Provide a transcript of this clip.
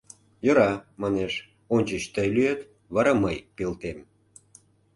«Йӧра, — манеш, — ончыч тый лӱет, вара мый пелтем.